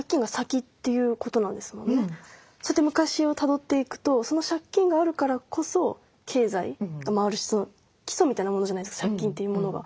そうやって昔をたどっていくとその借金があるからこそ経済が回るしその基礎みたいなものじゃないですか借金というものが。